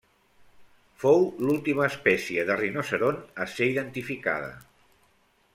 Fou l'última espècie de rinoceront a ser identificada.